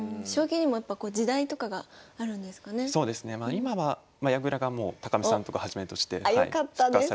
今は矢倉がもう見さんとかはじめとして。